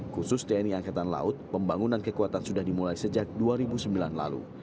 khusus tni angkatan laut pembangunan kekuatan sudah dimulai sejak dua ribu sembilan lalu